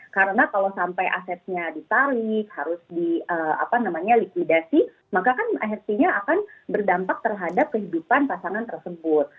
karena kalau sampai asetnya ditarik harus di likuidasi maka kan akhirnya akan berdampak terhadap kehidupan pasangan tersebut